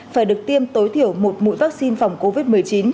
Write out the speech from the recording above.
phải được tiêm tối thiểu một mũi vaccine phòng covid một mươi chín